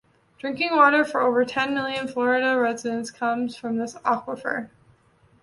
Drinking water for over ten million Florida residents comes from this aquifer.